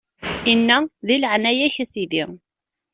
Inna: Di leɛnaya-k, a Sidi!